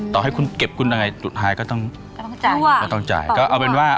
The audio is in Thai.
ต่อให้คุณเก็ปคุณอะไรต้องจ่ายก็ต้องจ่าย